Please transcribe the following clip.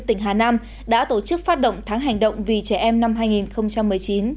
tỉnh hà nam đã tổ chức phát động tháng hành động vì trẻ em năm hai nghìn một mươi chín